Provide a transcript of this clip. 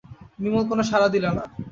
বিমল কোনো সাড়া দিলে না।